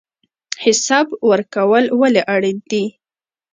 حساب ورکول ولې اړین دي؟